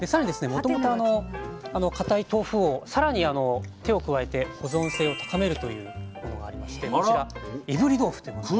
もともと固い豆腐をさらに手を加えて保存性を高めるというものがありましてこちらいぶり豆腐というものが。